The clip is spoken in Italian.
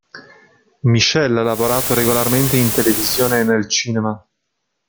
Michelle ha lavorato regolarmente in televisione e nel cinema.